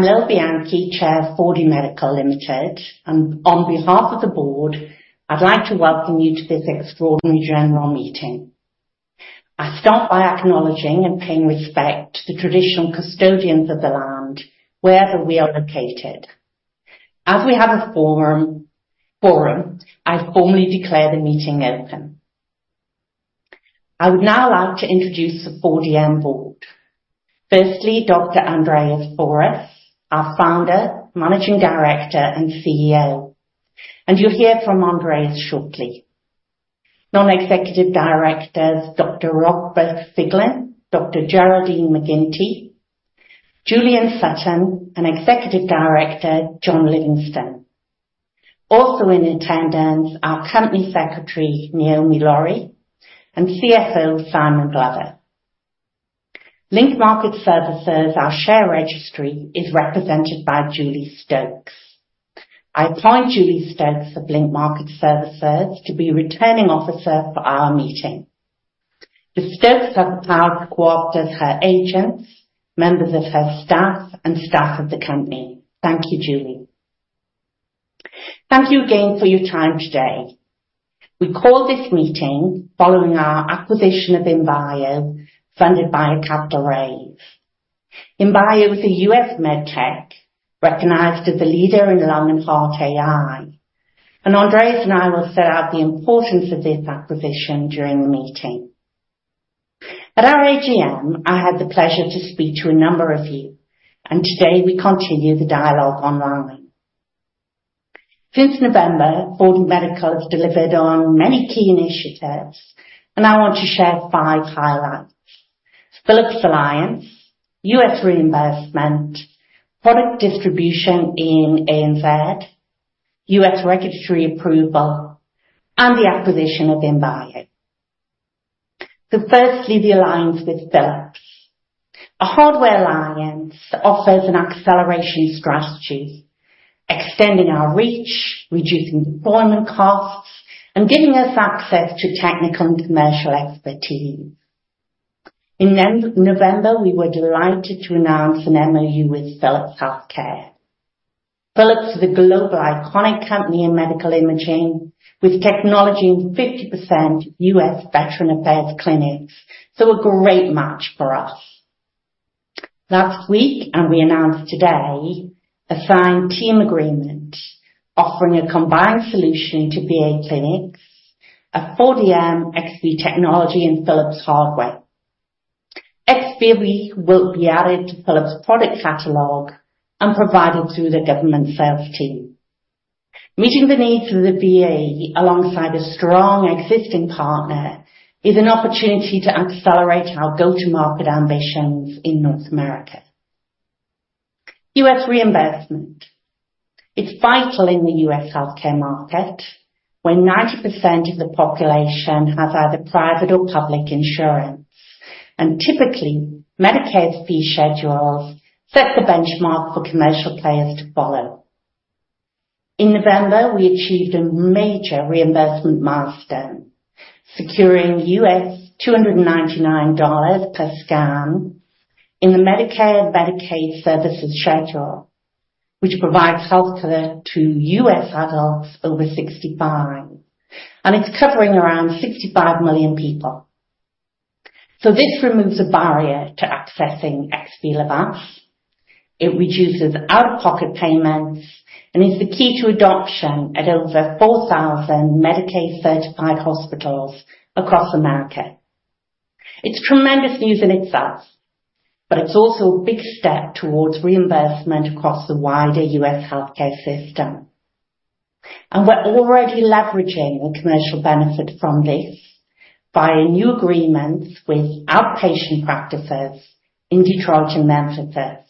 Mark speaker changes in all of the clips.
Speaker 1: I'm Lil Bianchi, Chair of 4DMedical Limited, and on behalf of the board, I'd like to welcome you to this extraordinary general meeting. I start by acknowledging and paying respect to the traditional custodians of the land, wherever we are located. As we have a forum, I formally declare the meeting open. I would now like to introduce the 4DM board. Firstly, Dr. Andreas Fouras, our Founder, Managing Director, and CEO, and you'll hear from Andreas shortly. Non-executive directors, Dr. Robert Figlin, Dr. Geraldine McGinty, Julian Sutton, and Executive Director, John Livingston. Also in attendance, our Company Secretary, Naomi Lawrie, and CFO, Simon Glover. Link Market Services, our share registry, is represented by Julie Stokes. I appoint Julie Stokes of Link Market Services to be Returning Officer for our meeting. Ms. Stokes has now co-opted her agents, members of her staff and staff of the company. Thank you, Julie. Thank you again for your time today. We call this meeting following our acquisition of Imbio, funded by capital raise. Imbio is a U.S. med tech recognized as a leader in lung and heart AI, and Andreas and I will set out the importance of this acquisition during the meeting. At our AGM, I had the pleasure to speak to a number of you, and today we continue the dialogue online. Since November, 4DMedical has delivered on many key initiatives, and I want to share five highlights: Philips alliance, U.S. reimbursement, product distribution in ANZ, U.S. regulatory approval, and the acquisition of Imbio. So firstly, the alliance with Philips. A hardware alliance offers an acceleration strategy, extending our reach, reducing deployment costs, and giving us access to technical and commercial expertise. In November, we were delighted to announce an MOU with Philips Healthcare. Philips is a global iconic company in medical imaging, with technology in 50% U.S. Veterans Affairs clinics, so a great match for us. Last week, and we announced today, a signed teaming agreement offering a combined solution to VA clinics, a 4DM XV technology in Philips hardware. XV will be added to Philips' product catalog and provided through the government sales team. Meeting the needs of the VA alongside a strong existing partner is an opportunity to accelerate our go-to-market ambitions in North America. U.S. reimbursement. It's vital in the U.S. healthcare market, where 90% of the population have either private or public insurance, and typically, Medicaid's fee schedules set the benchmark for commercial players to follow. In November, we achieved a major reimbursement milestone, securing $299 per scan in the Medicare and Medicaid services schedule, which provides healthcare to U.S. adults over 65, and it's covering around 65 million people. So this removes a barrier to accessing XV LVAS. It reduces out-of-pocket payments and is the key to adoption at over 4,000 Medicaid-certified hospitals across America. It's tremendous news in itself, but it's also a big step towards reimbursement across the wider U.S. healthcare system, and we're already leveraging the commercial benefit from this by a new agreement with outpatient practices in Detroit and Memphis.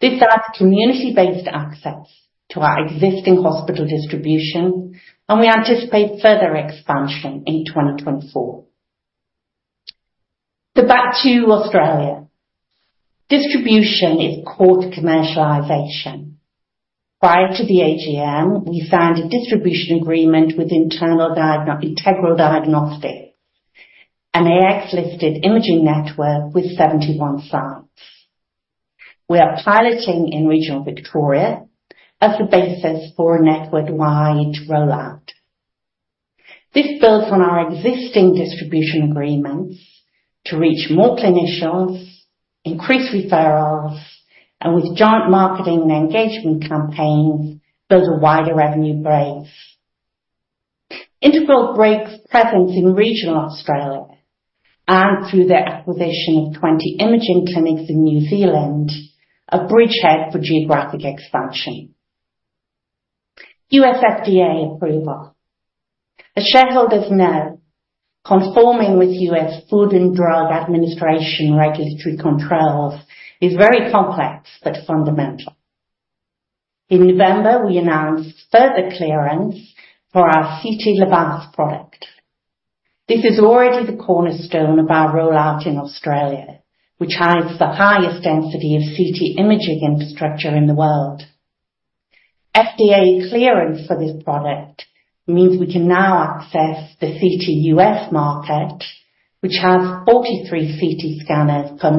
Speaker 1: This adds community-based access to our existing hospital distribution, and we anticipate further expansion in 2024. So back to Australia. Distribution is called commercialization. Prior to the AGM, we signed a distribution agreement with Integral Diagnostics, an ASX-listed imaging network with 71 sites. We are piloting in regional Victoria as the basis for a network-wide rollout. This builds on our existing distribution agreements to reach more clinicians, increase referrals, and with joint marketing and engagement campaigns, build a wider revenue base. Integral brings presence in regional Australia and through their acquisition of 20 imaging clinics in New Zealand, a bridgehead for geographic expansion. U.S. FDA approval. As shareholders know, conforming with U.S. Food and Drug Administration regulatory controls is very complex but fundamental. In November, we announced further clearance for our CT LVAS product. This is already the cornerstone of our rollout in Australia, which has the highest density of CT imaging infrastructure in the world. FDA clearance for this product means we can now access the CT U.S. market, which has 43 CT scanners per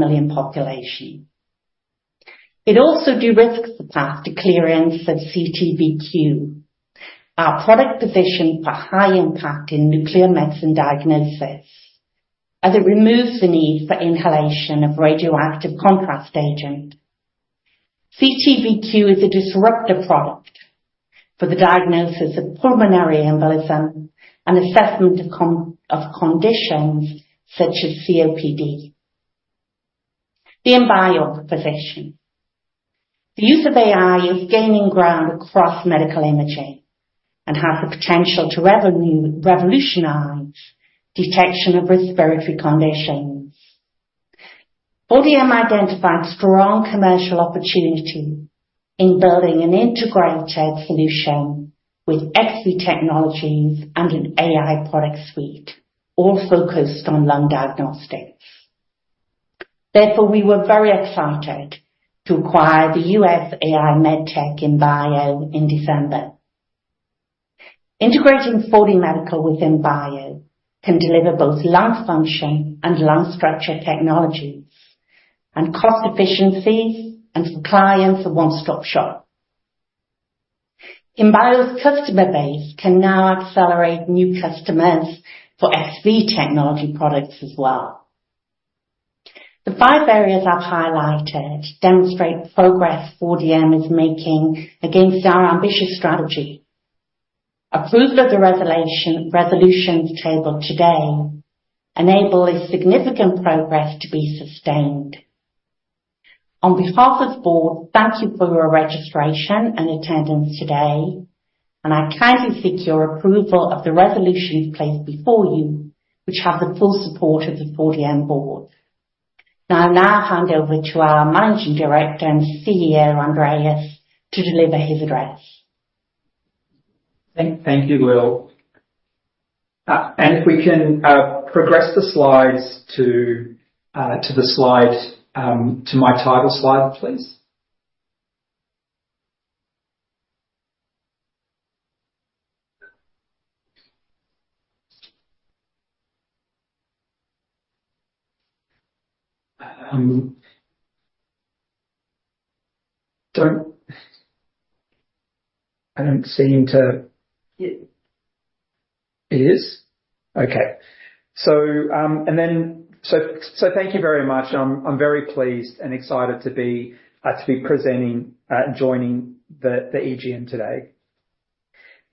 Speaker 1: million population. It also de-risks the path to clearance of CT:VQ, our product position for high impact in nuclear medicine diagnosis, as it removes the need for inhalation of radioactive contrast agent. CT:VQ is a disruptive product for the diagnosis of pulmonary embolism and assessment of of conditions such as COPD. The Imbio position. The use of AI is gaining ground across medical imaging and has the potential to revolutionize detection of respiratory conditions. 4DMedical identifies strong commercial opportunity in building an integrated solution with XV technologies and an AI product suite, all focused on lung diagnostics. Therefore, we were very excited to acquire the U.S. AI med tech, Imbio, in December. Integrating 4DMedical with Imbio can deliver both lung function and lung structure technologies, and cost efficiencies, and for clients, a one-stop shop. Imbio's customer base can now accelerate new customers for XV technology products as well. The five areas I've highlighted demonstrate the progress 4DM is making against our ambitious strategy. Approval of the resolution, resolutions tabled today enable this significant progress to be sustained. On behalf of the board, thank you for your registration and attendance today, and I kindly seek your approval of the resolutions placed before you, which have the full support of the 4DM board. Now, I'll now hand over to our Managing Director and CEO, Andreas, to deliver his address.
Speaker 2: Thank you, Lil. And if we can progress the slides to the slide to my title slide, please. I don't seem to- it is? Okay. So thank you very much. I'm very pleased and excited to be to be presenting joining the AGM today.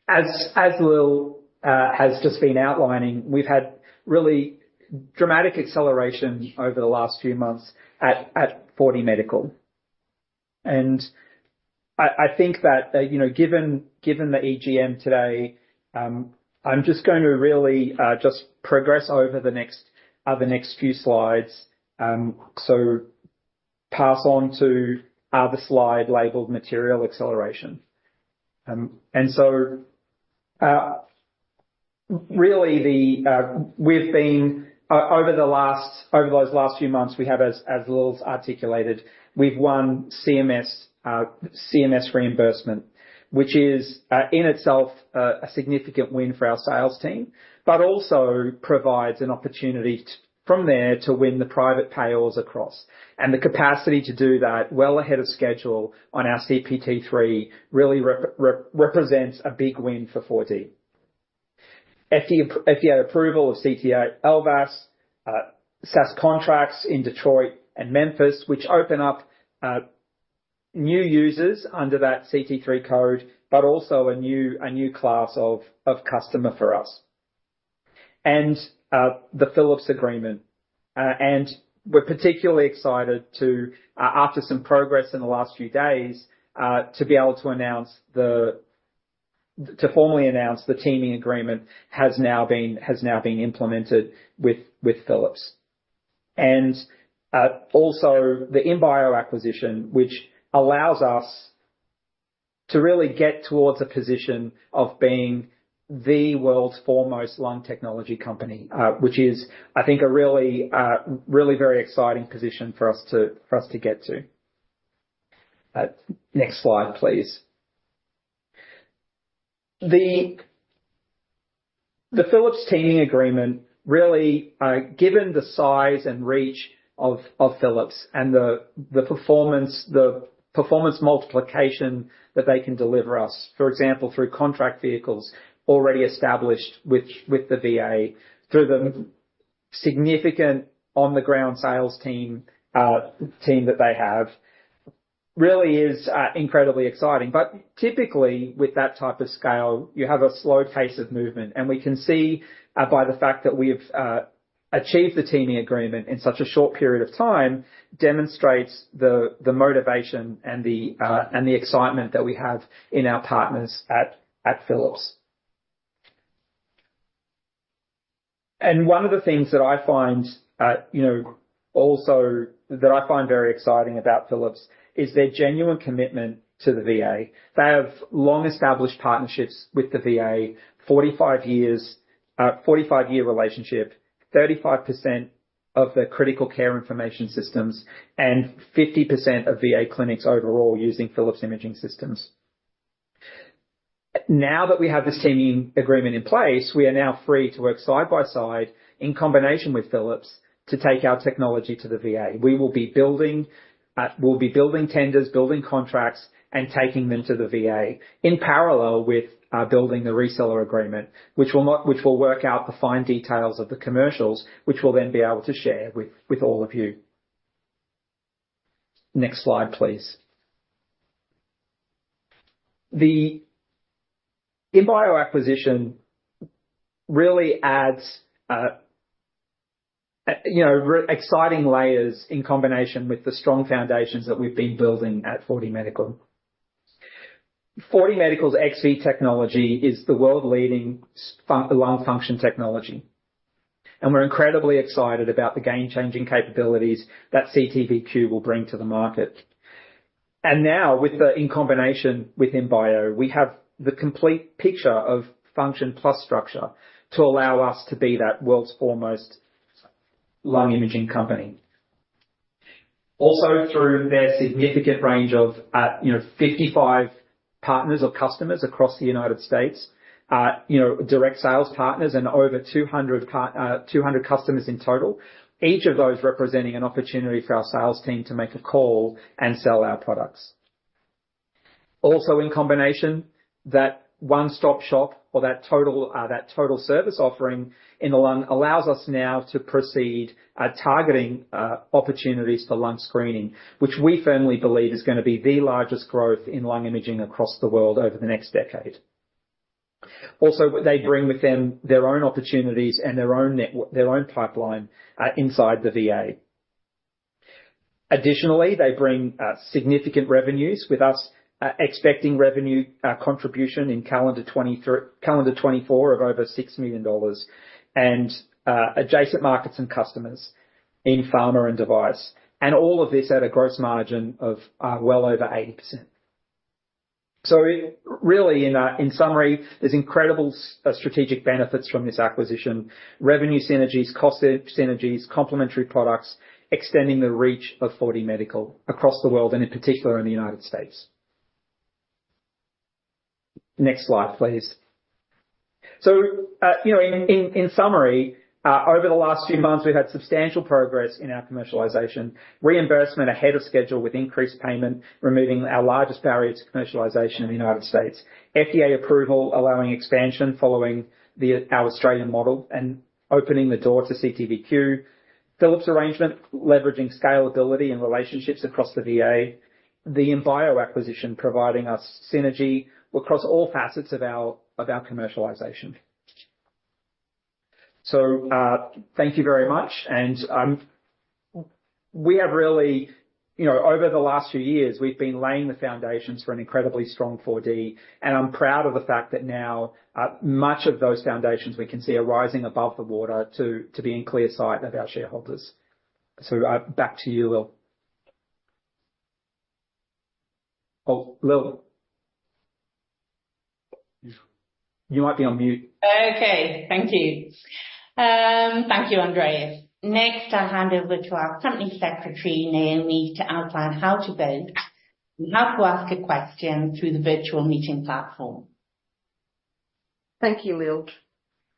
Speaker 2: As Lil has just been outlining, we've had really dramatic acceleration over the last few months at 4DMedical. And I think that, you know, given the AGM today, I'm just going to really just progress over the next few slides. So pass on to the slide labeled Material Acceleration. And so, really, we've been over those last few months, we have, as Lil's articulated, we've won CMS reimbursement, which is in itself a significant win for our sales team. But also provides an opportunity from there to win the private payors across, and the capacity to do that well ahead of schedule on our CPT 3 really represents a big win for 4D. FDA approval of CT LVAS, SaaS contracts in Detroit and Memphis, which open up new users under that CPT 3 code, but also a new class of customer for us. And the Philips agreement. We're particularly excited to, after some progress in the last few days, to be able to formally announce the teaming agreement has now been implemented with Philips. Also the Imbio acquisition, which allows us to really get towards a position of being the world's foremost lung technology company, which is, I think, a really very exciting position for us to get to. Next slide, please. The Philips teaming agreement, really, given the size and reach of Philips and the performance multiplication that they can deliver us, for example, through contract vehicles already established with the VA, through the significant on the ground sales team that they have, really is incredibly exciting. But typically, with that type of scale, you have a slow pace of movement, and we can see by the fact that we've achieved the teaming agreement in such a short period of time, demonstrates the motivation and the excitement that we have in our partners at Philips. And one of the things, you know, also, that I find very exciting about Philips is their genuine commitment to the VA. They have long-established partnerships with the VA, 45 years, 45-year relationship, 35% of the critical care information systems and 50% of VA clinics overall using Philips imaging systems. Now that we have this teaming agreement in place, we are now free to work side by side in combination with Philips to take our technology to the VA. We will be building, we'll be building tenders, building contracts, and taking them to the VA in parallel with building the reseller agreement, which will work out the fine details of the commercials, which we'll then be able to share with all of you. Next slide, please. The Imbio acquisition really adds, you know, exciting layers in combination with the strong foundations that we've been building at 4DMedical. 4DMedical's XV technology is the world-leading lung function technology, and we're incredibly excited about the game-changing capabilities that CT:VQ will bring to the market. And now, in combination with Imbio, we have the complete picture of function plus structure to allow us to be that world's foremost lung imaging company. Also, through their significant range of, you know, 55 partners or customers across the United States, you know, direct sales partners and over 200 partners, 200 customers in total, each of those representing an opportunity for our sales team to make a call and sell our products. Also, in combination, that one-stop shop or that total service offering in the lung allows us now to proceed targeting opportunities for lung screening. Which we firmly believe is gonna be the largest growth in lung imaging across the world over the next decade. Also, they bring with them their own opportunities and their own pipeline inside the VA. Additionally, they bring significant revenues with us, expecting revenue contribution in calendar 2024 of over $6 million and adjacent markets and customers in pharma and device, and all of this at a gross margin of well over 80%. So really, in summary, there's incredible strategic benefits from this acquisition. Revenue synergies, cost synergies, complementary products, extending the reach of 4DMedical across the world, and in particular, in the United States. Next slide, please. So, you know, in summary, over the last few months, we've had substantial progress in our commercialization, reimbursement ahead of schedule with increased payment, removing our largest barrier to commercialization in the United States. FDA approval, allowing expansion following our Australian model and opening the door to CT:VQ. Philips arrangement, leveraging scalability and relationships across the VA. The Imbio acquisition, providing us synergy across all facets of our commercialization. So, thank you very much. You know, over the last few years, we've been laying the foundations for an incredibly strong 4DMedical, and I'm proud of the fact that now, much of those foundations we can see are rising above the water to be in clear sight of our shareholders. So, back to you, Lil. Oh, Lil? You might be on mute.
Speaker 1: Okay. Thank you. Thank you, Andreas. Next, I'll hand over to our Company Secretary, Naomi, to outline how to vote and how to ask a question through the virtual meeting platform.
Speaker 3: Thank you, Lil.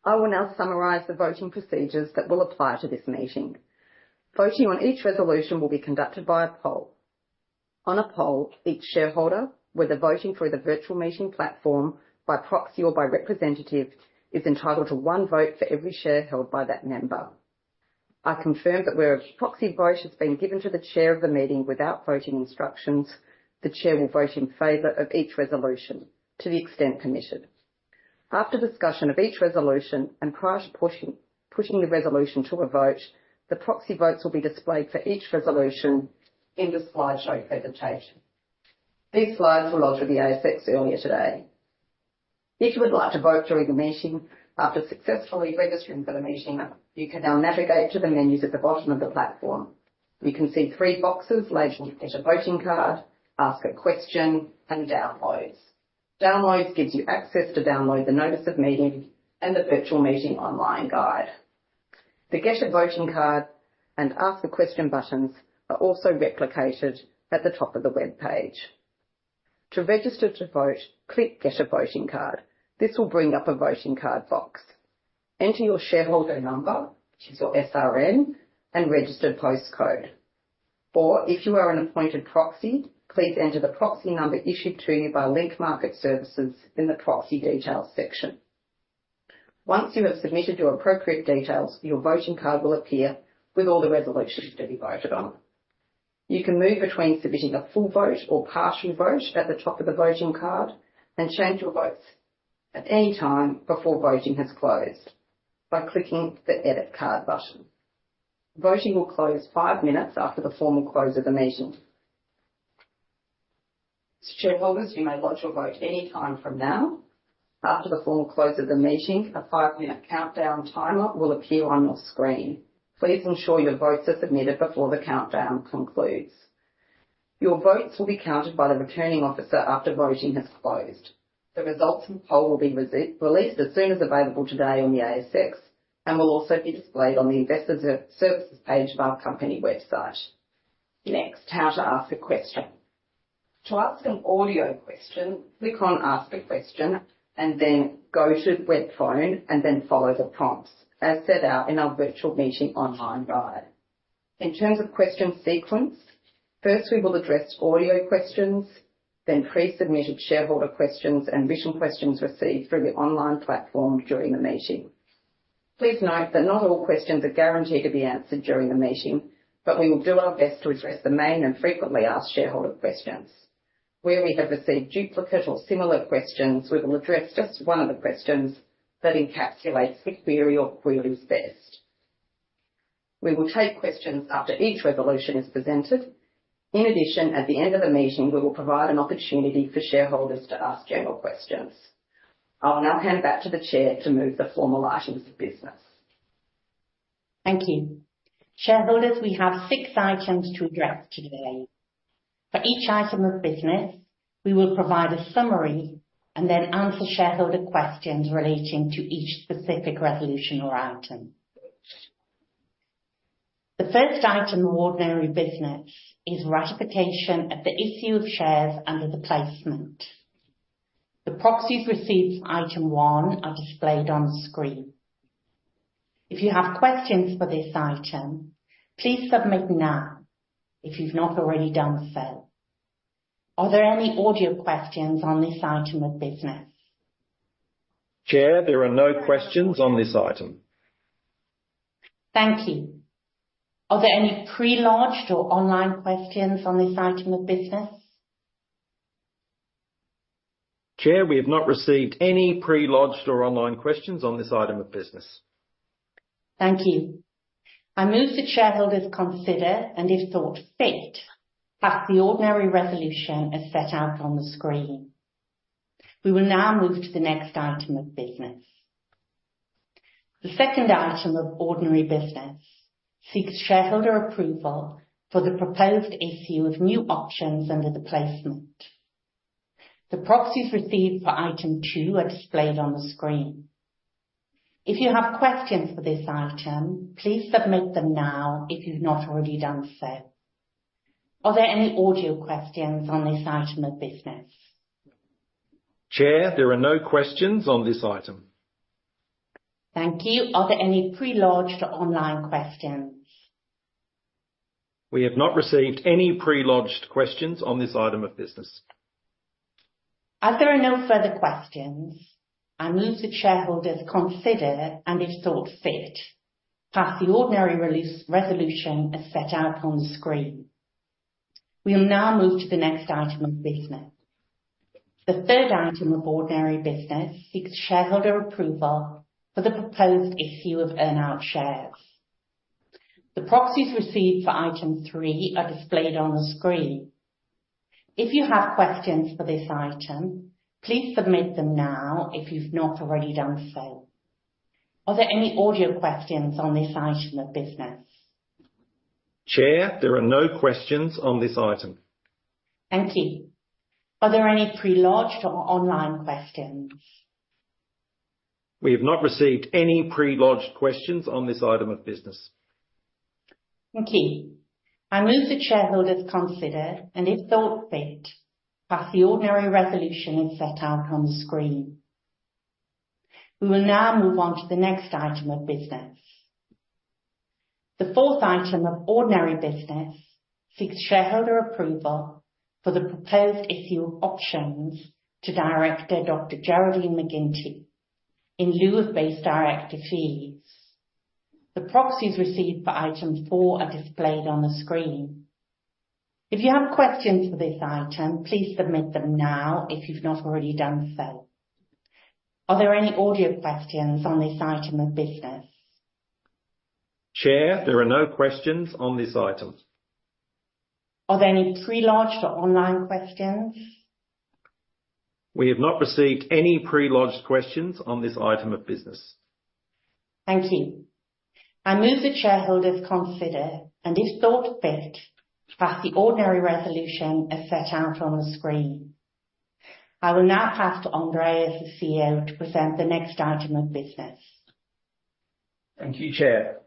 Speaker 3: I will now summarize the voting procedures that will apply to this meeting. Voting on each resolution will be conducted by a poll. On a poll, each shareholder, whether voting through the virtual meeting platform, by proxy, or by representative, is entitled to one vote for every share held by that member. I confirm that where a proxy vote has been given to the Chair of the meeting without voting instructions, the Chair will vote in favor of each resolution to the extent permitted. After discussion of each resolution and prior to pushing the resolution to a vote, the proxy votes will be displayed for each resolution in the slideshow presentation. These slides were lodged with the ASX earlier today. If you would like to vote during the meeting, after successfully registering for the meeting, you can now navigate to the menus at the bottom of the platform. You can see three boxes labeled: Get a voting card, Ask a question, and Downloads. Downloads gives you access to download the notice of meeting and the virtual meeting online guide. The Get a voting card and Ask a question buttons are also replicated at the top of the webpage. To register to vote, click Get a voting card. This will bring up a voting card box. Enter your shareholder number, which is your SRN, and registered post code. Or if you are an appointed proxy, please enter the proxy number issued to you by Link Market Services in the Proxy Details section. Once you have submitted your appropriate details, your voting card will appear with all the resolutions to be voted on. You can move between submitting a full vote or partial vote at the top of the voting card, and change your votes at any time before voting has closed by clicking the Edit card button. Voting will close five minutes after the formal close of the meeting. Shareholders, you may lodge your vote any time from now. After the formal close of the meeting, a five-minute countdown timer will appear on your screen. Please ensure your votes are submitted before the countdown concludes. Your votes will be counted by the returning officer after voting has closed. The results from the poll will be released as soon as available today on the ASX, and will also be displayed on the investor services page of our company website. Next, how to ask a question. To ask an audio question, click on Ask a Question, and then go to Webphone, and then follow the prompts, as set out in our virtual meeting online guide. In terms of question sequence, first, we will address audio questions, then pre-submitted shareholder questions and written questions received through the online platform during the meeting. Please note that not all questions are guaranteed to be answered during the meeting, but we will do our best to address the main and frequently asked shareholder questions. Where we have received duplicate or similar questions, we will address just one of the questions that encapsulates the query or queries best. We will take questions after each resolution is presented. In addition, at the end of the meeting, we will provide an opportunity for shareholders to ask general questions. I will now hand back to the Chair to move the formal items of business.
Speaker 1: Thank you. Shareholders, we have six items to address today. For each item of business, we will provide a summary and then answer shareholder questions relating to each specific resolution or item. The first item of ordinary business is ratification of the issue of shares under the placement. The proxies received for item one are displayed on the screen. If you have questions for this item, please submit now if you've not already done so. Are there any audio questions on this item of business?
Speaker 4: Chair, there are no questions on this item.
Speaker 1: Thank you. Are there any pre-lodged or online questions on this item of business?
Speaker 4: Chair, we have not received any pre-lodged or online questions on this item of business.
Speaker 1: Thank you. I move the shareholders consider, and if thought fit, pass the ordinary resolution as set out on the screen. We will now move to the next item of business. The second item of ordinary business seeks shareholder approval for the proposed issue of new options under the placement. The proxies received for item two are displayed on the screen. If you have questions for this item, please submit them now, if you've not already done so. Are there any audio questions on this item of business?
Speaker 4: Chair, there are no questions on this item.
Speaker 1: Thank you. Are there any pre-lodged or online questions?
Speaker 4: We have not received any pre-lodged questions on this item of business.
Speaker 1: As there are no further questions, I move the shareholders consider, and if thought fit, pass the ordinary resolution as set out on screen. We will now move to the next item of business. The third item of ordinary business seeks shareholder approval for the proposed issue of earn-out shares. The proxies received for item three are displayed on the screen. If you have questions for this item, please submit them now, if you've not already done so. Are there any audio questions on this item of business?
Speaker 4: Chair, there are no questions on this item.
Speaker 1: Thank you. Are there any pre-lodged or online questions?
Speaker 4: We have not received any pre-lodged questions on this item of business.
Speaker 1: Thank you. I move the shareholders consider, and if thought fit, pass the ordinary resolution as set out on the screen. We will now move on to the next item of business. The fourth item of ordinary business seeks shareholder approval for the proposed issue of options to Director Dr. Geraldine McGinty, in lieu of base director fees. The proxies received for item four are displayed on the screen. If you have questions for this item, please submit them now, if you've not already done so. Are there any audio questions on this item of business?
Speaker 4: Chair, there are no questions on this item.
Speaker 1: Are there any pre-lodged or online questions?
Speaker 4: We have not received any pre-lodged questions on this item of business.
Speaker 1: Thank you. I move the shareholders consider, and if thought fit, pass the ordinary resolution as set out on the screen. I will now pass to Andreas, the CEO, to present the next item of business.
Speaker 2: Thank you, Chair.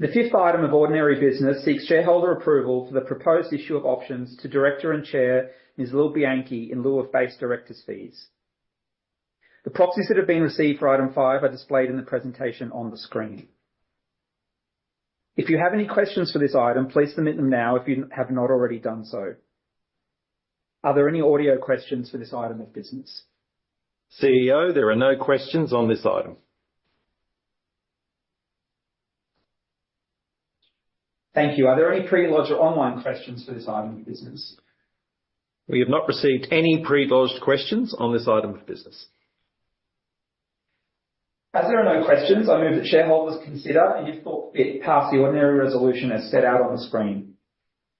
Speaker 2: The fifth item of ordinary business seeks shareholder approval for the proposed issue of options to Director and Chair, Ms. Lil Bianchi, in lieu of base director's fees. The proxies that have been received for item five are displayed in the presentation on the screen. If you have any questions for this item, please submit them now if you have not already done so. Are there any audio questions for this item of business?
Speaker 4: CEO, there are no questions on this item.
Speaker 2: Thank you. Are there any pre-lodged or online questions for this item of business?
Speaker 4: We have not received any pre-lodged questions on this item of business.
Speaker 2: As there are no questions, I move the shareholders consider, and if thought fit, pass the ordinary resolution as set out on the screen.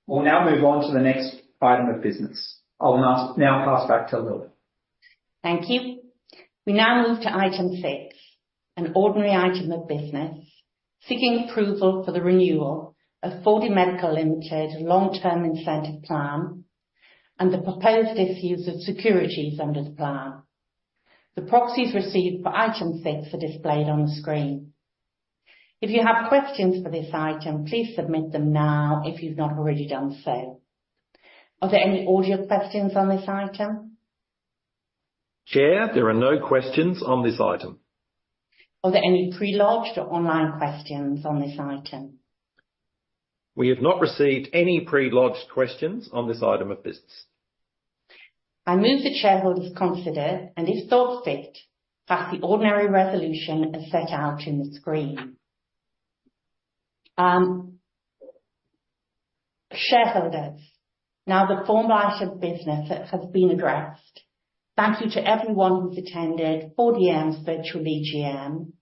Speaker 2: We'll now move on to the next item of business. I'll now pass back to Lil.
Speaker 1: Thank you. We now move to item six, an ordinary item of business, seeking approval for the renewal of 4DMedical Limited long-term incentive plan and the proposed issues of securities under the plan. The proxies received for item six are displayed on the screen. If you have questions for this item, please submit them now if you've not already done so. Are there any audio questions on this item?
Speaker 4: Chair, there are no questions on this item.
Speaker 1: Are there any pre-lodged or online questions on this item?
Speaker 4: We have not received any pre-lodged questions on this item of business.
Speaker 1: I move the shareholders consider, and if thought fit, pass the ordinary resolution as set out in the screen. Shareholders, now the formal item of business has been addressed. Thank you to everyone who's attended 4D's virtual AGM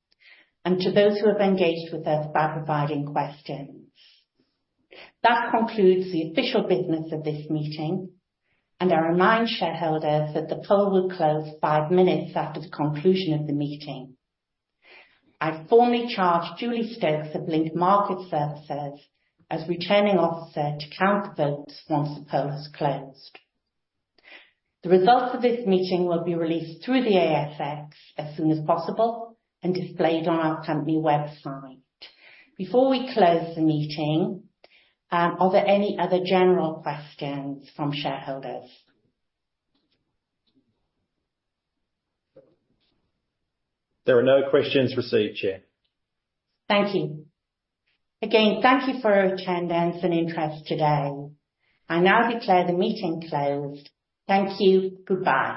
Speaker 1: and to those who have engaged with us by providing questions. That concludes the official business of this meeting, and I remind shareholders that the poll will close five minutes after the conclusion of the meeting. I formally charge Julie Stokes of Link Market Services as Returning Officer to count the votes once the poll has closed. The results of this meeting will be released through the ASX as soon as possible and displayed on our company website. Before we close the meeting, are there any other general questions from shareholders?
Speaker 4: There are no questions received, Chair.
Speaker 1: Thank you. Again, thank you for your attendance and interest today. I now declare the meeting closed. Thank you. Goodbye.